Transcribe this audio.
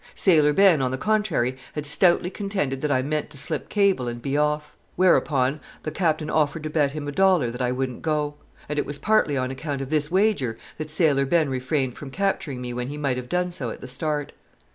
Sailor Ben, on the contrary, had stoutly contended that I meant to slip cable and be off. Whereupon the Captain offered to bet him a dollar that I wouldn't go. And it was partly on account of this wager that Sailor Ben refrained from capturing me when he might have done so at the start.